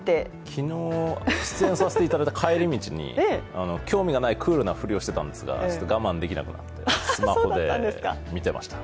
昨日、出演させていただいた帰り道に興味がないクールな感じでいたんですが我慢できなかったです、スマホで見ていました。